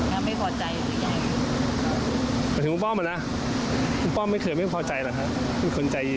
คุณป้อมไม่เคยไม่พอใจหรอกครับมีคนใจดีใจเย็นไม่มีปัญหานะครับ